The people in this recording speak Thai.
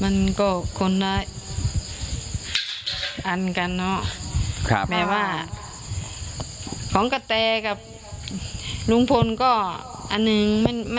มันก็คนละอันกันเนาะแหมว่าของกะแตกับลุงพลก็อันหนึ่ง